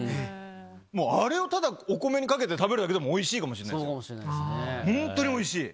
もうあれをただ、お米にかけて食べるだけでもおいしいかもしれないですよ。